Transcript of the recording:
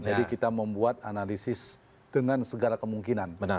jadi kita membuat analisis dengan segala kemungkinan